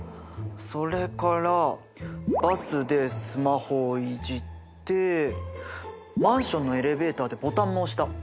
それからバスでスマホをいじってマンションのエレベーターでボタンも押した。